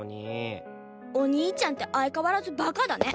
お兄ちゃんって相変わらずバカだね。